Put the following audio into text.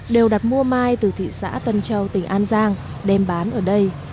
đều đặt mua mai từ thị xã tân châu tỉnh an giang đem bán ở đây